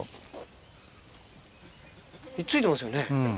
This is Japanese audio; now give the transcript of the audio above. ついてますよね